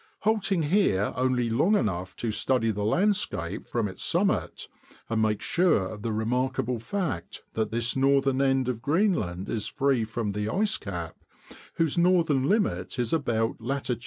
Halting here only long enough to study the landscape from its summit, and make sure of the remarkable fact that this northern end of Greenland is free from the ice cap, whose northern limit is about lat.